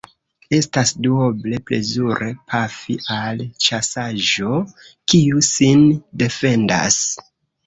Estas duoble plezure pafi al ĉasaĵo, kiu sin defendas.